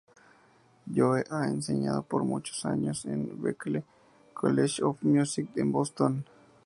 Joe ha enseñado por muchos años en Berklee College of Music en Boston.